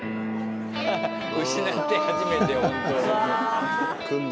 失って初めて本当の。